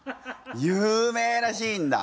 有名なシーンだ。